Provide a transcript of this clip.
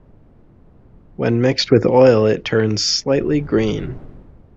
When mixed with oil it turns slightly green.